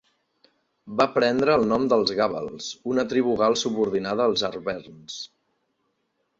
Va prendre el nom dels gàbals, una tribu gal subordinada als arverns.